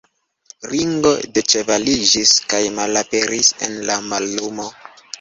Ringo deĉevaliĝis kaj malaperis en la mallumo.